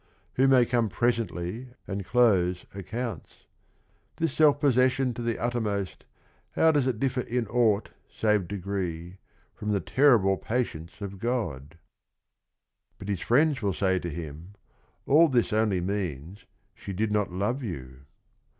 Who may come presently and close accounts? This self possession to the uttermost, How does it differ in aught, save degree, From the terrible patience of God? " But his friends will say to him: all this only means she did not love you.